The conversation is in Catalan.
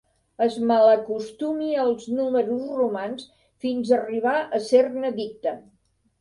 Es malacostumi als números romans fins arribar a ser-ne addicte.